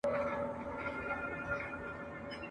لا تر څو به دي قسمت په غشیو ولي !.